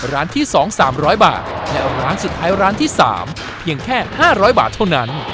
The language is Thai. ร้านที่สองสามร้อยบาทและร้านสุดท้ายร้านที่สามเพียงแค่ห้าร้อยบาทเท่านั้น